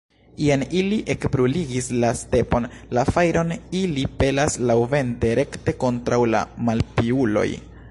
Jen ili ekbruligis la stepon, la fajron ili pelas laŭvente rekte kontraŭ la malpiuloj!